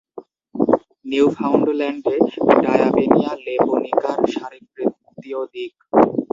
নিউফাউন্ডল্যান্ডে ডায়াপেনিয়া ল্যাপোনিকার শারীরবৃত্তীয় দিক.